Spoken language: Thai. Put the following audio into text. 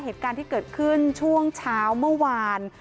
เหตุการณ์ที่เกิดขึ้นช่วงเช้าเมื่อวาน